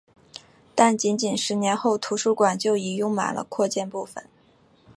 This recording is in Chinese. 但仅仅十年后图书馆就已用满了扩建部分。